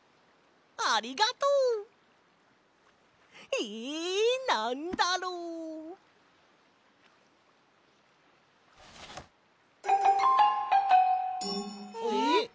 ありがとう！えなんだろう？えっ？